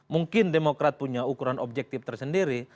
mungkin demokrat punya ukuran objektif tersendiri